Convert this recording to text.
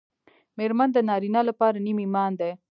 مېرمن د نارینه لپاره نیم ایمان دی